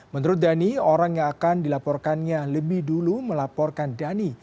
menurut dhani orang yang akan dilaporkannya lebih dulu melaporkan dhani